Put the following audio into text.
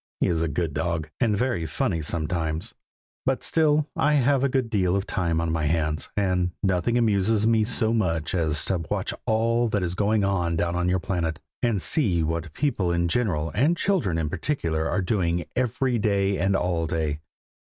He is a good dog, and very funny sometimes, but still I have a good deal of time on my hands, and nothing amuses me so much as to watch all that is going on down on your planet, and see what people in general, and children in particular, are doing, every day and all day.